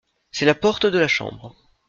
C’est la porte de la chambre.